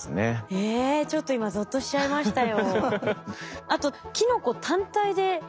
えっちょっと今ぞっとしちゃいましたよ。